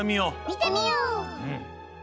みてみよう！